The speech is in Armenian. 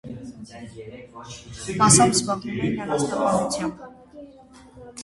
Մասամբ զբաղվում էին անասնապահությամբ։